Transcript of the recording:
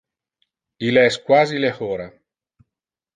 Il es quasi le hora.